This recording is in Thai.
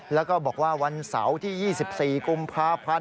แล้วก็บอกว่าวันเสาร์ที่๒๔กุมภาพันธ์